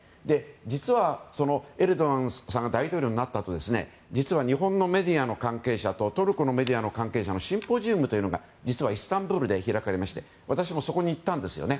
実は、エルドアンさんが大統領になったあと日本のメディアの関係者とトルコのメディアの関係者のシンポジウムというのが実はイスタンブールで開かれまして私もそこに行ったんです。